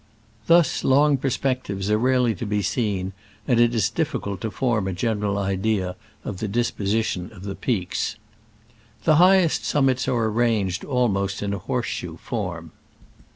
Thus long perspectives are rarely to be seen, and it is difficult to form a general idea of the disposition of the peaks. The highest summits are arranged almost in a horse shoe form.